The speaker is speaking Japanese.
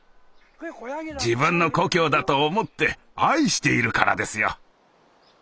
自分の故郷だと思って愛しているからですよ。